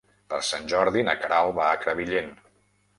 Per Sant Jordi na Queralt va a Crevillent.